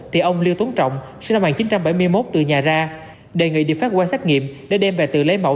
thì ông lưu tuấn trọng sẽ năm một nghìn chín trăm bảy mươi một từ nhà ra đề nghị đi phát qua xét nghiệm để đem về từ lấy mẫu